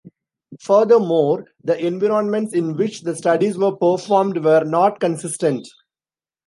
Furthermore, the environments in which the studies were performed were not consistent.